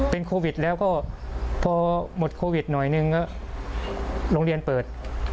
เป็นโควิดแล้วก็พอหมดโควิดหน่อยหนึ่งก็โรงเรียนเปิด